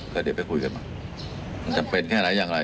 ก็เดี๋ยวไปคุยกันมันจำเป็นแค่ไหนอย่างไร